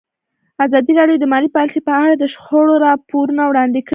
ازادي راډیو د مالي پالیسي په اړه د شخړو راپورونه وړاندې کړي.